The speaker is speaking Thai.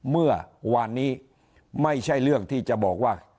เมื่อวานนี้ไม่ใช่เรื่องที่จะบอกว่า